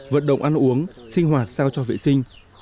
vận động ăn uống sinh hoạt sao cho vệ sinh